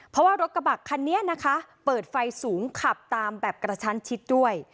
เพราะว่ารถกระบะคันนี้นะคะเปิดไฟสูงขับตามแบบกระชั้นชิดด้วย